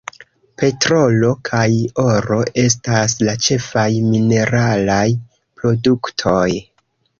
Petrolo kaj oro estas la ĉefaj mineralaj produktoj.